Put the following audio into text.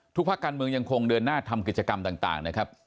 ภาคการเมืองยังคงเดินหน้าทำกิจกรรมต่างนะครับ